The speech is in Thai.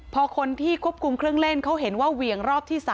พอคนที่ควบคุมเครื่องเล่นเขาเห็นว่าเหวี่ยงรอบที่๓